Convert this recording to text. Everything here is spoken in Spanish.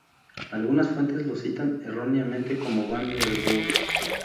Algunas fuentes lo citan erróneamente como Van der Bos.